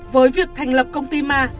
với việc thành lập công ty ma